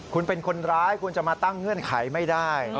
คุณเป็นคนร้ายคุณจะมาตั้งเงื่อนไขไม่ได้